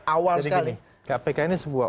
awal sekali kpk ini sebuah